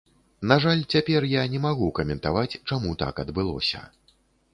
На жаль, цяпер я не магу каментаваць, чаму так адбылося.